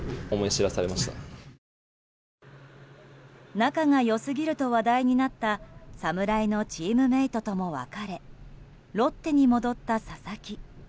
仲が良すぎると話題になった侍のチームメートとも別れロッテに戻った佐々木。